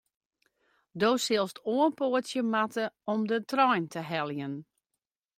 Do silst oanpoatsje moatte om de trein te heljen.